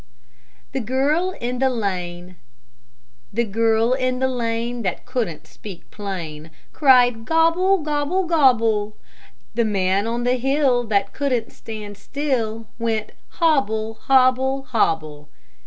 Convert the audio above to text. THE GIRL IN THE LANE The girl in the lane, that couldn't speak plain, Cried, "Gobble, gobble, gobble": The man on the hill that couldn't stand still, Went hobble hobble, hobble.